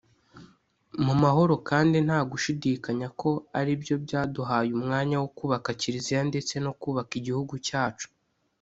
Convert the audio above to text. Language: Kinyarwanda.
mu mahoro kandi ntagushidikanya ko aribyo byaduhaye umwanya wo kubaka Kiliziya ndetse no kubaka igihugu cyacu